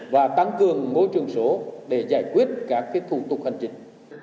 và tăng cường môi trường số để giải quyết các thủ tục hành chính